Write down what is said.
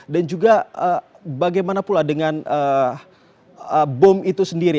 juga bagaimana pula dengan bom itu sendiri